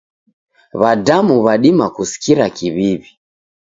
W'adamu w'adima kusikira kiw'iw'i.